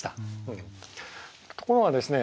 ところがですね